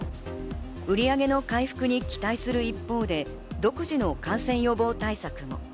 売り上げの回復に期待する一方で、独自の感染予防対策も。